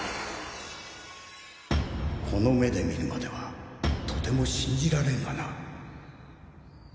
この目で見るまではとても信じられんがな